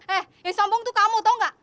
eh yang sombong tuh kamu tau gak